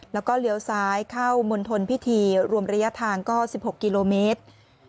แล้วก็เลี้ยวซ้ายเข้ามณฑลพิธีรวมระยะทางก็๑๖กิโลเมตร